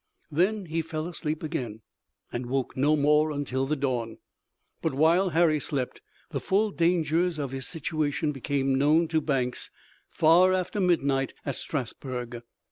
Then he fell asleep again, and awoke no more until the dawn. But while Harry slept the full dangers of his situation became known to Banks far after midnight at Strasburg.